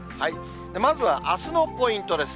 まずはあすのポイントです。